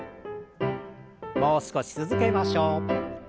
もう少し続けましょう。